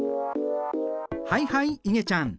はいはいいげちゃん。